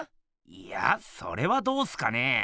いやそれはどうっすかね？